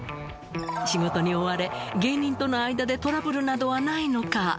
仕事に追われ芸人との間でトラブルなどはないのか？